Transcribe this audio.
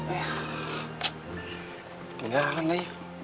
eh kegagalan ya